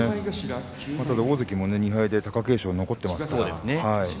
大関も２敗で貴景勝が残ってますからね。